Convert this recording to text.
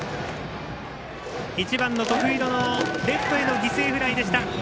１番の徳弘のレフトへの犠牲フライでした。